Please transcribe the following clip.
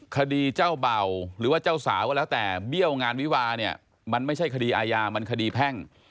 คดีเจ้าเบ่าหรือว่าเจ้าสาวก็แล้วแต่เบี้ยวงานวิวาเนี่ยมันไม่ใช่คดีอาญามันคดีแพ่ง